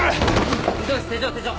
溝口手錠手錠！